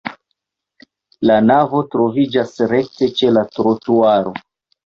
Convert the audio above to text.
La navo troviĝas rekte ĉe la trotuaro.